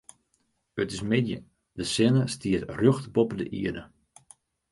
It is middei, de sinne stiet rjocht boppe de ierde.